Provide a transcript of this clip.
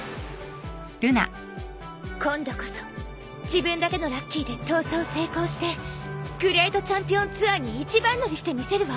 今度こそ自分だけのラッキーで逃走成功してグレートチャンピオンツアーに一番乗りしてみせるわ。